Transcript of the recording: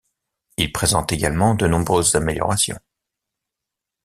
Il présente également de nombreuses améliorations.